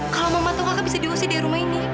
kalau mama tahu kakak bisa diusir di rumah ini